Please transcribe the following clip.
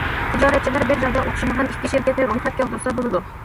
تىجارەتچىلەر بىر جايدا ئوخشىمىغان ئىككى شىركەتنى رويخەتكە ئالدۇرسا بولىدۇ.